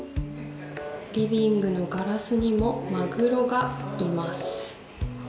リビングのガラスにもマグロがいます。